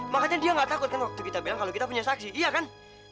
makanya dia nggak takut kan waktu kita bilang kalau kita punya saksi iya kan